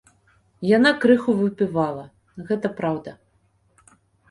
Яна крыху выпівала, гэта праўда.